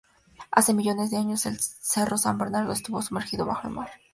Hace millones de años, el cerro San Bernardo estuvo sumergido bajo el mar.